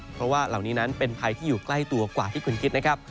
เพราะว่าเหล่านี้นั้นเป็นภัยที่อยู่ใกล้ตัวกว่าที่คุณคิดนะครับ